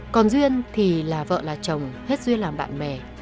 còn duyên thì là vợ là chồng hết duyên làm bạn bè